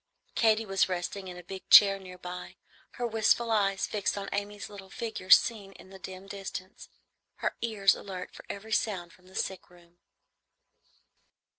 Katy was resting in a big chair near by, her wistful eyes fixed on Amy's little figure seen in the dim distance, her ears alert for every sound from the sick room.